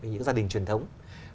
những gia đình truyền thống